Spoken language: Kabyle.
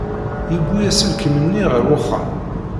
Yewwi aselkim-nni ɣer uxxam.